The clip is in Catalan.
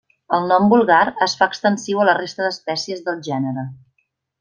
El nom vulgar es fa extensiu a la resta d'espècies del gènere.